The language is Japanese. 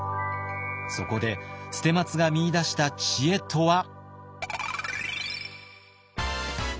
そこで捨松が見いだした知恵とは。